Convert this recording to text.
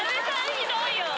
ひどいよ！